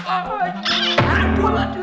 aduh aduh aduh